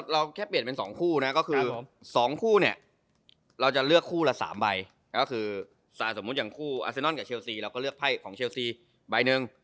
เราแค่เปลี่ยนเป็น๒คู่นะก็คือ๒คู่เนี่ยเราจะเลือกคู่ละ๓ใบก็คือสมมุติอย่างคู่อาเซนอนกับเชลซีเราก็เลือกไพ่ของเชลซีใบหนึ่ง